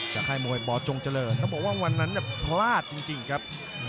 จากให้มหัวบอสจงเจริญต้องบอกว่าวันนั้นพลาดจริงครับ